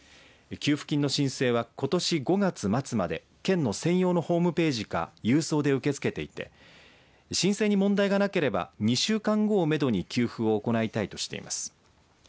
給付金の申請はことし５月末まで県の専用ホームページか郵送で受け付けていて申請に問題がなければ２週間後をめどに給付を行いたいとしています。